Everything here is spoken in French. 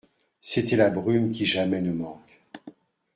C'était la brume qui jamais ne manque.